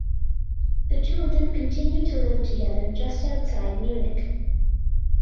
The two of them continued to live together just outside Munich.